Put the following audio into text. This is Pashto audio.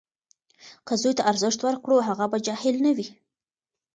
که زوی ته ارزښت ورکړو، هغه به جاهل نه وي.